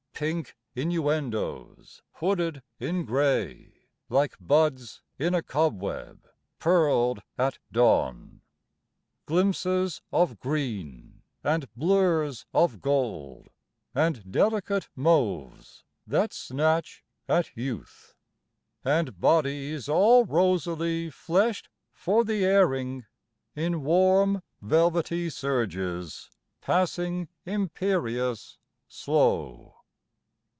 Pink inuendoes Hooded in gray Like buds in a cobweb Pearled at dawn... Glimpses of green And blurs of gold And delicate mauves That snatch at youth... And bodies all rosily Fleshed for the airing, In warm velvety surges Passing imperious, slow...